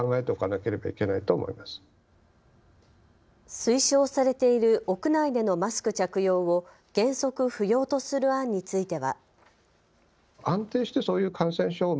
推奨されている屋内でのマスク着用を原則不要とする案については。